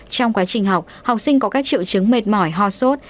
trong quá trình học học sinh có các triệu chứng mệt mỏi ho sốt